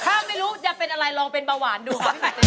ถ้าไม่รู้จะเป็นอะไรลองเป็นเบาหวานดู